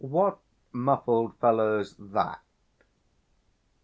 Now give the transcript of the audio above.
What muffled fellow's that?